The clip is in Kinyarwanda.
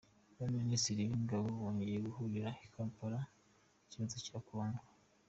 Abaminisitiri b’ingabo bongeye guhurira i Kampala ku kibazo cya Congo